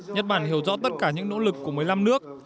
nhật bản hiểu rõ tất cả những nỗ lực của một mươi năm nước